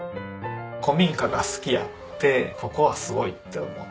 古民家が好きやってここはすごいって思って。